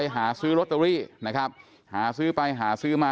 หาซื้อไปหาซื้อมา